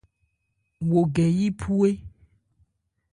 Wo gɛ yí phu é.